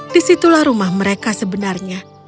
disitulah rumah mereka sebenarnya